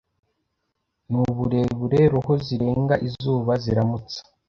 Nuburebure roho zirenga izuba ziramutsa,